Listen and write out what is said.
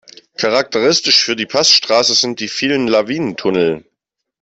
Charakteristisch für die Passstraße sind die vielen Lawinentunnel.